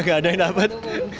nggak ada yang dapet